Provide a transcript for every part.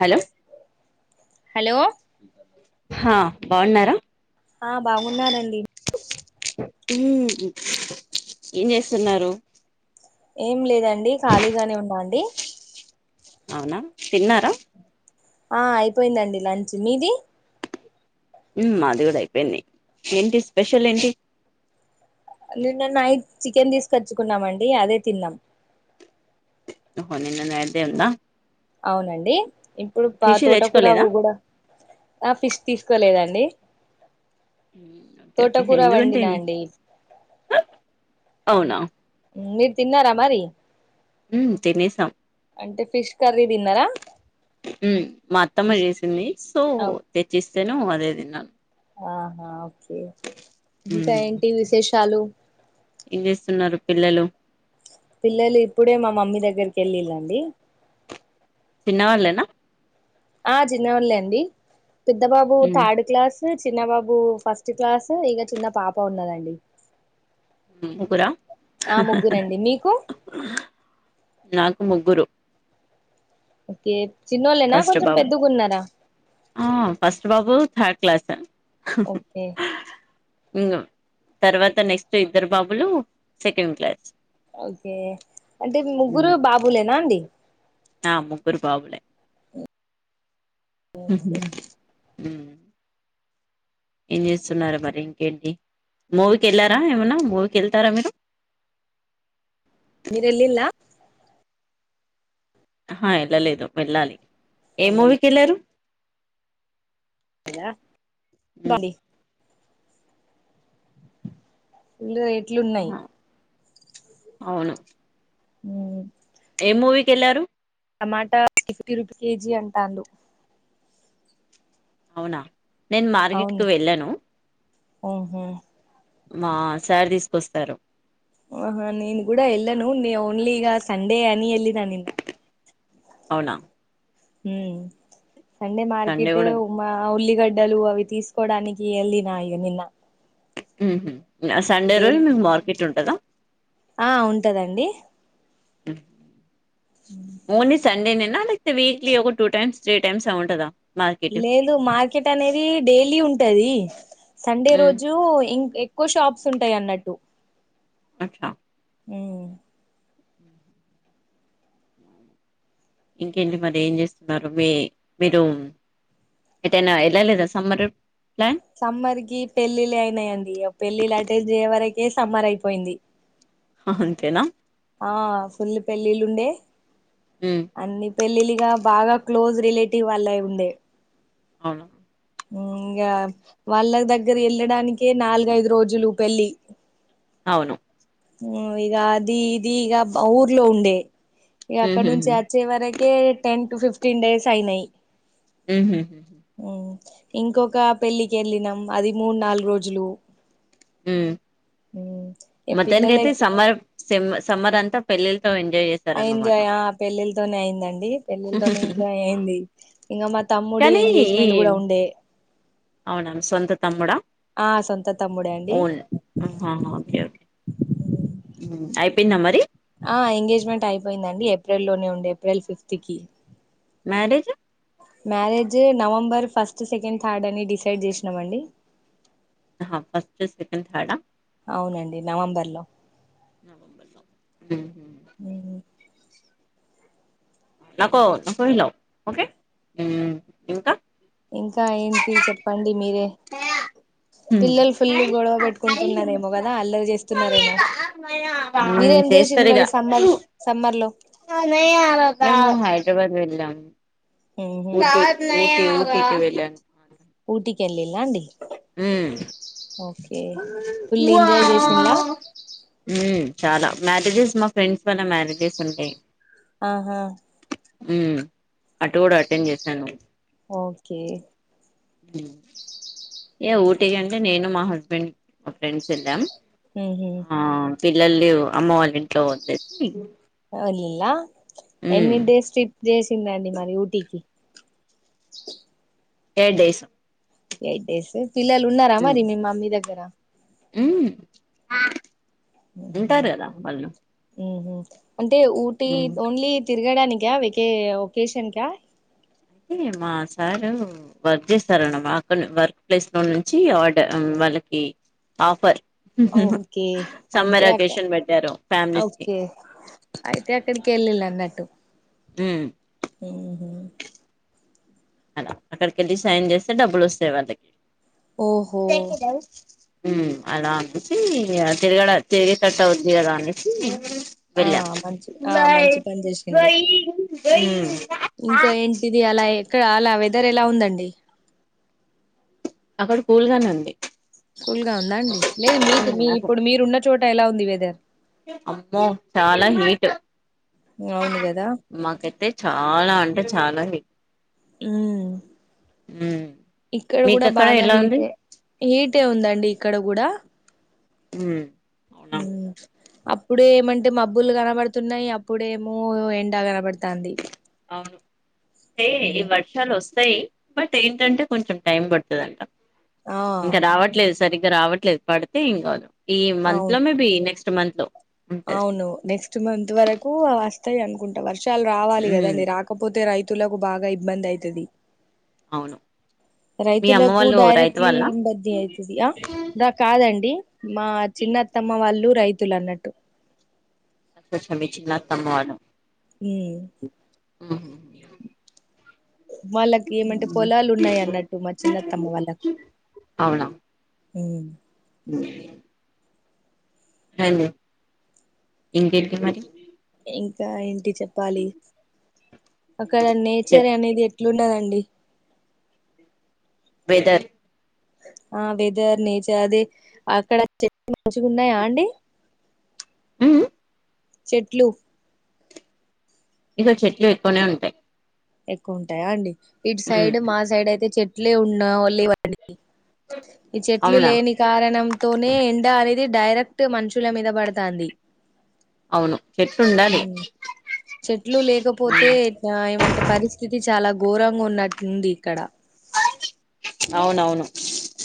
Hello hello హా బాగున్నారా ఆ బాగున్నానండి ఏం చేస్తున్నారు ఏం లేదండి ఖాళీగానే ఉన్నాండి అవునా తిన్నారా ఆ అయిపోయిందండి లంచ్ మీది మాది కూడా అయిపోయింది ఏంటి స్పెషల్ ఏంటి నిన్న నైట్ చికెన్ తీసుకొచ్చుకున్నామ అండి అదే తిన్నాం ఓహో నిన్న నైట్ దే ఉందా అవునండి ఇప్పుడు పా ఫిష్ తోటకుర తెచ్చుకోలేదా వుకూడా ఆ ఫిస్ తీసుకోలేదండి ఓకే ఓకే తోటకూర ఎందుకంటే వండినండి అవునా మీరు తిన్నారా మరి ఉ తినేసాం అంటే ఫిష్ కర్రీ తిన్నార మా అత్తమ్మ చేసింది సో తెచ్చిస్తేను అదే తిన్నాను ఆహా ఓకే ఇంకా ఉమ్ ఏంటి విశేషాలు ఏం చేస్తున్నారు పిల్లలు పిల్లలు ఇప్పుడే మా మమ్మీ దగ్గరికి వెళ్ళిళ్ళండి చిన్నవాళ్ళనా ఆ చిన్నవాళ్ళ అండి పెద్దబాబు ఉమ్ థర్డ్ క్లాస్ చిన్న బాబు ఫస్ట్ క్లాస్ ఇక చిన్న పాప ఉన్నదండి ముగ్గురా ఆ ముగ్గురండి మీకు నా ముగ్గురు ఓకే చిన్నోళ్ళేనా ఫస్ట్ కొంచెం బాబు పెద్దగు ఉన్నారా థార్డ్ క్లాస ఇం తర్వాత నెక్స్ట్ ఇద్దరు బాబులు సెకండ్ క్లాస్ ఓకే అంటే ముగ్గురు ఉమ్ బాబులేనా అండి ఆ ముగ్గురు బాబులే [inaudible] ఏం చేస్తున్నారా మరి ఇంకేంటి మూవీకి వెళ్ళారా ఏమనా మూవీకి వెళ్తారా మీరు మీరెళ్ళిలా ఆహా వెళ్ళలేదు వెళ్ళాలి ఏ వెళ్ళలే మూవీకి వెళ్ళారు ద ఉమ్ బది ఇల్లు ఎట్లున్నాయి ఆహా అవును హ్మ్మ్ ఏ మూవీకి ఏళ్ళారు టమాటా ఫిఫ్టీ రూపి కేజీ అంటాండు అవునా నేను మార్కెట్కి అవును వెళ్ళాను ఆహా మా సార్ తీసుకొస్తారు ఆహా నెన్ కూడా ఏళ్ళను ఓన్లీ ఈగా సండే అని ఎల్లిన నిన్న అవునా హ్మ్మ్ సండే మార్కెట్ ఉ ఉల్లిగడ్ డ్డలు అవి తీసుకోవడానికి వెళ్ళిన నిన్న ఉహు సండే రోజు డైలీ మీకు మార్కెట్ ఉంటదా ఆ ఉంటదండి ఓన్లీ సండే నేనా లైతే వీక్లీ ఒక టూ టైమ్స్ త్రీ టైమ్స్ అ ఉంటదా మార్కెట్ లేదు మార్కెట్ అనేది డైలీ ఉంటది సండే హ్మ్ రోజు ఇం ఎక్కువ షాప్స్ ఉంటాయి అన్నట్టు అచ్చా హ్మ్మ్ ఇంకేంటి మరి ఏం చేస్తున్నారు మీ మీరు ఎటన్న ఏళ్లలేదా సమ్మర్ అట్లా సమ్మర్ కి పెళ్ళిళ్ళ అయినాయండి పెళ్ళిళ్ళ అటెండ్జే వరకే సమ్మర్ అయిపోయింది అంతేనా ఆ ఫుల్లు పెళ్లిళ్లు ఉండే హ్మ్ అన్ని పెళ్ళిలిగా బాగా క్లోజ్ రిలేటివ్ వాళ్ళాయి ఉండే అవును ఇంకా వాళ్ళ దగ్గర వెళ్ళడానికే నాలుగైదు రోజులు పెళ్ళి అవును ఇగా అది ఇది ఇగా ఊర్లో ఉండే ఇగా అక్కడ నుంచి హుహుహు వచ్చే వరకే టెన్ టు ఫిఫ్టీన్ డేస్ అయినాయి ఉహు ఇంకొక పెళ్ళికి వెళ్ళినం అది మూడు నాలుగు రోజులు హ్మ్మ్ ఇగ మొత్తానికైతే పిల్లలకి సమ్మర్ సమ్మర్ అంత పెళ్ళిళ్ళ ఎంజాయ్ ఆ పెళ్ళిళ్లతోనే అయిందండి పెళ్ళిళ్లతోనే ఎంజాయ్ అయింది ఇంకా మా తమ్ముడు కానీ ఈ ఎంగేజ్మెంట్ కూడా ఉండే అవునా మీ సొంత తమ్ముడా ఆ సొంత తమ్ముడే అండి ఓన్ ఆహా ఓకే ఓకే అయిపోయిందా మరి ఆ ఎంగేజ్మెంట్ అయిపోయిందండి ఏప్రిల్ లోనే ఉండే ఏప్రిల్ ఫిఫ్త్ కి marriage marriage November first second third అని డిసైడ్ చేసినామండి ఆహా ఫస్ట్ సెకండ్ థార్డ్ ఆ అవునండి నవంబర్ లో హ్మ్మ్ నకో నకో ఇలా ఓకే హ్మ్మ్ ఇంకా ఇంకా ఏంటి చెప్పండి మీరే ఇంకా మ్మ్ పిల్లలు ఫుల్లు గొడవ పెట్టుకుంటున్నారేమో కదా అల్లరి చేస్తున్నారేమో మీరేం చేసిండ్లు మరి సమ్మర్ సమ్మర్ లో న హైదరాబాద్ వెళ్ళాం ఉహు కాదు నేను రా ఊటీకెళ్ళిల్ల అండి మ్మ్ ఓకే ఫుల్ ఎంజాయ్ చేసిలా మ్మ్ చాలా మ్యారేజెస్ మా ఫ్రెండ్స్ వాళ మ్యారేజెస్ ఉంటాయి ఆహా ఉమ్ అటు కూడా అటెండ్ చేశాను ఓకే ఏ ఊటికంటే నేను మా హస్బెండ్ మా ఫ్రెండ్స్ ఎళ్ళాం మ్ హు పిల్లల్లు అమ్మ వాళ్ళ ఇంట్లో వదిలేసి అల్లా మ్మ్ ఎన్ని డేస్ స్టిప్ జేస్ చిందండి మరి ఊటీకి ఎయిట్ డేస్ ఎయిట్ డేస్ పిల్లలు ఉన్నారా మరి మీ మమ్మీ దగ్గర మ్ ఉహు ఉంటరు కదా వాళ్ళు ఉహు అంటే ఊటి ఉమ్. ఓన్లీ తిరగడానికా వేకే ఒకేషన్కా తే మా సారు వర్క్ చేస్తారన్నమ అక్కడ వర్క్ ప్లేస్లో నుంచి ఆర్డర్ మ్ వాళ్ళకి ఆఫర్ ఓకే అంటే సమ్మర్ అక్క అకేషన్ పెట్టారు ఫ్యామిలీస్ కి ఓకే అయితే ఇక్కడికెళ్ళిళ్ళన్నట్టు ఉమ్ అలా అక్కడికెళ్ళి సైన్ చేస్తే డబ్బులు వస్తాయి వాళ్ళకి ఓహో అలా అనేసి తిరగడ తిరిగే టట్టు అవుతుంది కదా అనేసి ఆ వెళ్ళం మంచి ఆ మంచి పని చేసిళ్ళు మ్ ఇంకా ఏంటిది అలా ఎక్కడ అలా వెదర్ ఎలా ఉందండి అక్కడ కూల్గానే ఉంది కూల్గా ఉందా అండి లేదు మీకు ఉమ్, మీ అక్కడ ఇప్పుడు మీరున్న చోట ఎలా ఉంది వెదర్ అమ్మో చాలా హీట్ అవును కదా మాకైతే చాలా అంటే చాలా హ్మ్ హ్మ్ ఇక్కడ కూడా మీకక్కడ బాగా ఎలా ఉంది హిటే హీటే ఉందండి ఇక్కడ కూడా హ్మ్ అవునా హ్మ్ అప్పుడు ఏమంటే మబ్బులు కనబడుతున్నాయి అప్పుడేమో ఎండా కనబడుతు అవును హే ఈ ఉ వర్షాలు వస్ స్తయి బట్ ఏంటంటే కొంచెం టైం పడుతుందంట ఆ ఇంకా రావట్లేదు సరిగ్గా రావట్లేదు పడితే ఏం కాదు ఈ మంత్ అవును లో మేబి నెక్స్ట్ మంత్లో అవును నెక్స్ట్ మంత్ వరకు వస్తాయి అనుకుంటా వర్ ర్షాలు రావాలి హ్మ్ కదండి రాకపోతే రైతులకు బాగా ఇబ్బంది అయితది అవును మీ అమ్మ రైతులకు వాళ్ళు రైతు డైరెక్ట్లీ వాళ్ళ ఇబ్బంది అవుతుదియా డ కాదండి మా చిన్నత్తమ్మ వాళ్ళు రైతులు అన్నట్టు అ చెమిచ్చిందత్తమ్మ వాళ్ళు మ్ మ్ హుహు వాళ్ళకి ఏమంటే హ్మ్ పొలాలు ఉన్నాయి అన్నట్టు మా చిన్నత్తమ్మ వాళ్ళకు అవునా మ్మ్ [inaudible] హలో [unintelligible] మరి ఇంకా ఏంటి చెప్పాలి అక్కడ నేచర్ చెప్ అనేది ఎట్లుండదండి ఏయ్ వెదర్ ఆ వెదర్ నేచర్ అది అక్కడ చె మంచిగున్నాయా అండి అవును చెట్లు ఇక చెట్లు ఎక్కువనే ఉంటాయి ఎక్కువ ఉంటాయా అండి ఇటు హ్మ్ సైడ్ మా సైడ్ అయితే చెట్లే ఉన్నావో లేవో ఈ చెట్లు అవునా లేని కారణంతోనే ఎడారి ఇది డైరెక్ట్ మంచుల మీద పడుతుంది అవును చెట్లు ఉండాలి చెట్లు లేకపోతే ఆ ఏమంటరు ఇది చాలా ఘోరంగా ఉన్నట్టుంది ఇక్కడ అవునవును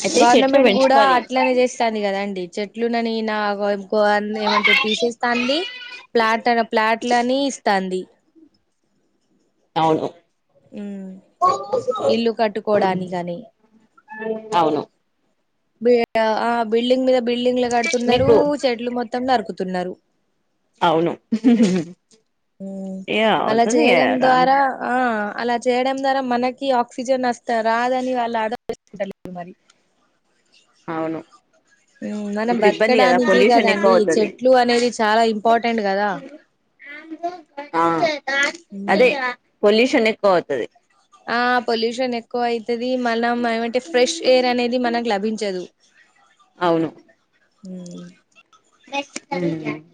అయితే చెట్లు గవర్నమెంట్ కూడా పెంచుకోవాలి అట్లనే చేస్తంది కదాండి చెట్లున్న నేనా అవా వారిని ఏమంటే తీసేస్తాంది ప్లాట్ అ ప్లాట్ లని ఇస్తాంది అవును హ్మ్. ఇల్లు కట్టుకోవడానికని అవును బి ఆ బిల్డింగ్ మీద బిల్డింగ్ కడుతున్నారు మీకు చెట్లు మొత్తం నరుకుతున్నారు అవును ఏ అలా అవుతుంది ఏ చేయడం రాను. ద్వారా ఆ అలా చేయడం ద్వారా మనకి ఆక్సిజన్ వస్తా రాదని వాళ్ళు ఆలే మరి అవును మనం ఇప్పుడు ఇబ్బంది కదా బతకడానికే పొల్యూషన్ ఎక్కువ కదండి అవుతది చెట్లు అనేది చాలా ఇంపార్టెంట్ కదా ఆ ఉమ్ అదే పొల్యూషన్ ఎక్కువ అవుతది ఆ పొల్యూషన్ ఎక్కువ అయితది మనం ఏమంటే ఫ్రెష్ ఎయిర్ అనేది మనకు లభించదు అ అవును మ్మ్ నెక్స్ట్ [inaudible]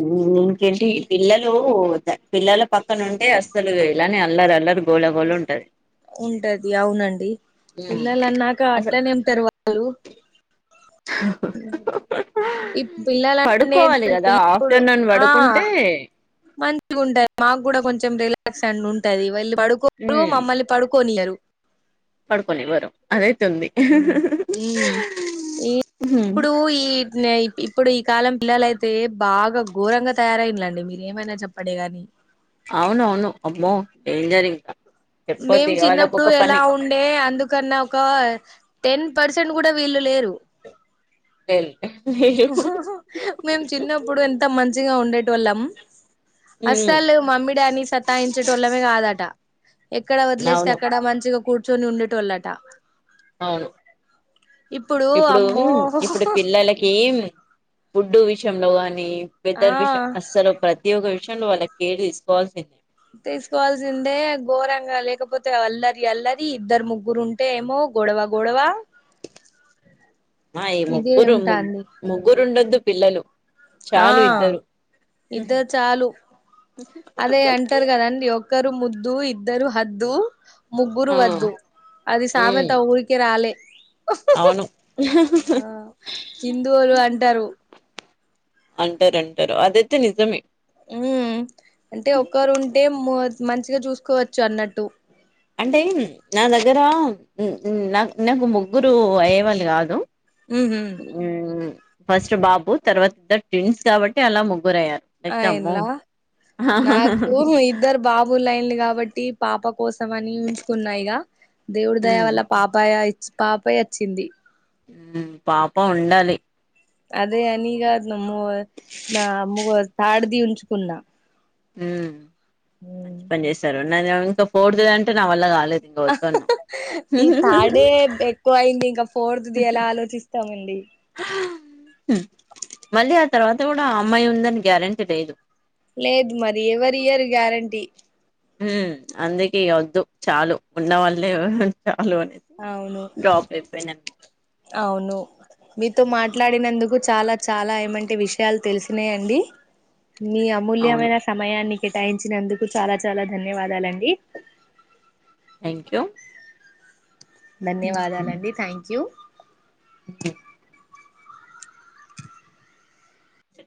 మ్మ్ వంట చెయ్ పిల్లలు పిల్లలు పక్కన ఉంటే అసలు ఇలానే అల్లరల్లరు గోళగోళ ఉంటది ఉంటది అవునండి హ్మ్. పిల్లలు అన్నాక అసలు అట్లనే ఉంటారు వారు ఈ పిల్లలన్నీ పడుకోవాలి కదా ఇప్పుడు ఆఫ్టర్నూన్ ఆ పడుకుంటే మంచిగా ఉంటయి మాకు కూడా కొం చెం రిలాక్స్ అన్న ఉంటది వీళ్ళు పడుకోరు మమ్మల్ని పడుకొనియరు పడుకొనివ్వరు అదై ంది ఉమ్ ఇప్పుడు ఈ ఇప్పుడు ఈ కాలం పిల్లలైతే బాగా ఘోరంగా తయారైనలండి మీరు ఏమైనా చెప్పడే గాని అవునవును అమ్మో డేంజర్ ఇంకా చెప్పొద్దు మేము ఇగ వాళ్ళకు చిన్నప్పుడు ఒక ఎలా పని ఉండే అందుకన్నా ఒక టెన్ పర్సెంట్ కూడా వీళ్ళు లేరు లేదు మేము చిన్నప్పుడు ఎంత మంచిగా ఉండేటోళ్లం అసలు మమ్మీ డాడినీ సత్తాయించేటోళ్ళమే కాదట ఎక్కడ వదిలేస్తే అవును అక్కడ మంచిగా కూర్చొని ఉండేటోళ్లట అవును ఇప్పుడు అమ్మో ఇప్పుడు పిల్లలకి ఫుడ్డు విషయంలో గానీ ఆ పెద్దరు విషయం అస్సలు ప్రతి ఒక్క విష యంలో వాళ్లకు కేర్ తీసుకోవాల్సిందే తీసుకోవాల్సిందే ఘోరంగా లేకపోతే అల్లరి అల్లరి ఇద్దరు ముగ్గురు ఉంటే ఏమో గొడవ గొడవ మా ఈ ఇదే ముగ్గురు ఉంటాంది ముగ్గురు ఉండొద్దు పిల్లలు ఆ చాలు ఇద్దరు ఇద్దరు చాలు అదే అంటారు కదండి ఒక్కరు ముద్దు ఇద్దరు హద్దు ముగ్గురు ఆ వద్దు అది ఉమ్ సామెత ఊరికి రాలే అవును ఆ హిందువులు అంటారు అంటారు అంటారు అదైతే నిజమే ఉ అంటే ఒకరు ఉంటే మంచిగా చూసుకోవచ్చు అన్నట్టు అంటే నా దగ్గర నా నాకు ముగ్గురు అయ్యేవాళ్ళు కాదు ఉహు ఉమ్ ఫస్ట్ బాబు తర్వాత ఇద్దరు ట్రిన్స్ కాబట్టి అలా ముగ్గురు అయ్యారు ఆ లేకపోతే అమ్మో ఇల్లా నాకు ఇద్దరు బాబు లైన్ల కాబట్టి పాప కోసం అని ఉంచుకున్నా ఇక దేవుడి దయ ఉమ్ వల్ల పాప పాపై వచ్చింది పాప ఉండాలి అదే అనిగ నమ్మో తాడిది ఉంచుకున్నా ఉ మంచి పని చేస్తారు నాది ఇంకా ఫోర్త్ తుదంటే నా వల్ల కాల ఈ థర్డ్డే ఎక్కువ అయింది ఇంకా ఫోర్త్ది ఎలా ఆలోచిస్తాం మళ్ళీ ఆ తర్వాత కూడా ఆ అమ్మాయి ఉందని గ్యారెంటీ లేదు లేదు మరి ఎవరు ఇయర్ గ్యారంటీ అందుకే ఇగ వద్దు చాలు వద్దు ఉన్నవాళ్ళే అవును అవును మీతో మాట్లాడినందుకు చాలా చాలా ఏమంటే విషయాలు తెలిసినాయి అండి మీ అవును అమూల్యమైన సమయానికి కేటాయించినందుకు చాలా చాలా ధన్యవాదాలండి థ్యాంక్ యూ ధన్యవాదాలండి థ్యాంక్ యూ